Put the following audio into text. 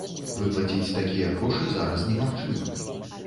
Выплаціць такія грошы зараз немагчыма.